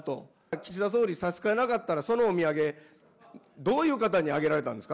岸田総理、さしつかえなかったら、そのお土産、どういう方にあげられたんですか。